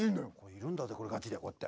いるんだぜこれガチでこうやって。